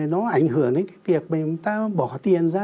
nó ảnh hưởng đến cái việc mà người ta bỏ tiền ra